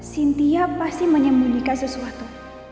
cynthia pasti menyembunyikan sesuatu